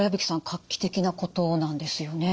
画期的なことなんですよね？